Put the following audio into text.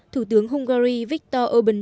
thủ tướng hungary viktor orbán